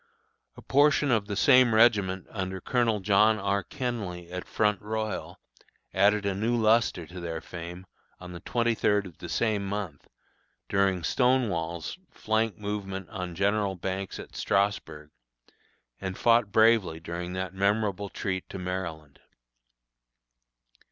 A portion of the same regiment under Colonel John R. Kenly, at Front Royal, added new lustre to their fame, on the twenty third of the same month, during "Stonewall's" flank movement on General Banks at Strasburg, and fought bravely during that memorable retreat to Maryland.